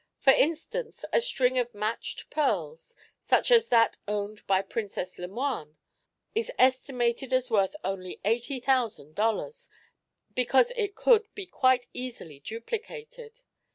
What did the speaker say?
For instance, a string of matched pearls such as that owned by Princess Lemoine is estimated as worth only eighty thousand dollars, because it could be quite easily duplicated.